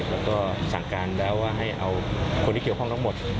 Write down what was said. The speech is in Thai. แล้วก็สั่งการแล้วว่าให้เอาคนที่เกี่ยวข้องทั้งหมด